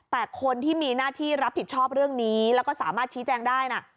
แต่คนที่มีหน้าที่รับผิดชอบเรื่องนี้แล้วก็สามารถชี้แจงได้นะ